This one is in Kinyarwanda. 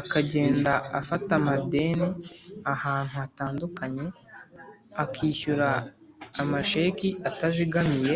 akagenda afata amadeni ahantu hatandukanye akishyura amasheki atazigamiye